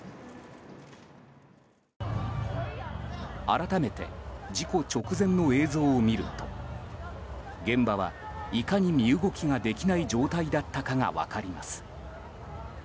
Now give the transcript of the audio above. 改めて事故直前の映像を見ると現場は、いかに身動きができない状態だったかが分かります。